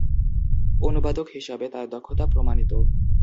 অনুবাদক হিসাবে তার দক্ষতা প্রমাণিত।